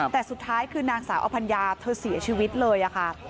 แต่สุดท้ายคือนางสาวอภัญญาเธอเสียชีวิตเลยค่ะ